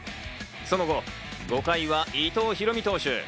その後、５回は伊藤大海投手。